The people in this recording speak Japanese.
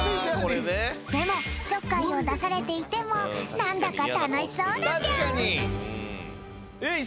でもちょっかいをだされていてもなんだかたのしそうだぴょん。